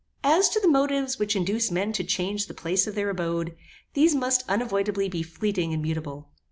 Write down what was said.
As to the motives which induce men to change the place of their abode, these must unavoidably be fleeting and mutable.